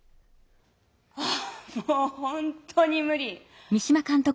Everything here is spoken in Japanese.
「はあもう本当に無理！は